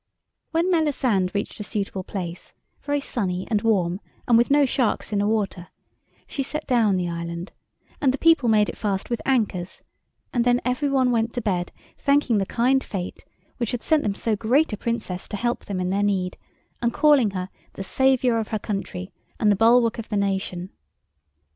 When Melisande reached a suitable place, very sunny and warm, and with no sharks in the water, she set down the island; and the people made it fast with anchors, and then every one went to bed, thanking the kind fate which had sent them so great a Princess to help them in their need, and calling her the saviour of her country and the bulwark of the nation.